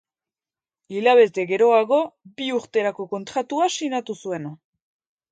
Hilabete geroago, bi urterako kontratua sinatu zuen.